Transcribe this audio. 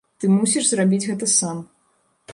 Ты мусіш зрабіць гэта сам.